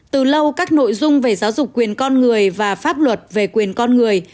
từ lâu các nội dung về giáo dục quyền con người và pháp luật về quyền con người